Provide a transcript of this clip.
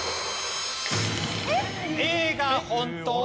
Ａが本当。